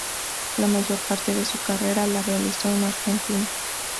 La mayor parte de su carrera la realizó en Argentina.